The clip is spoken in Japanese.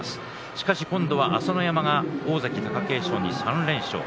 しかし今度は朝乃山が大関貴景勝に３連勝。